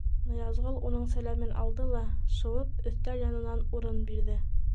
Ныязғол уның сәләмен алды ла шыуып өҫтәл янынан урын бирҙе.